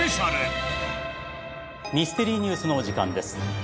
ミステリーニュースのお時間です。